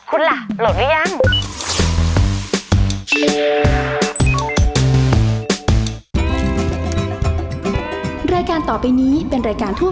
คุณล่ะโหลดหรือยัง